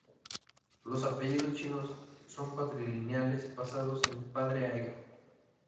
Los apellidos chinos son patrilineales, pasados de padre a hijo.